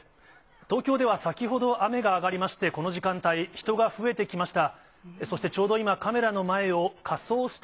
東京では先ほど、雨が上がりまして、この時間帯、人が増えてきました。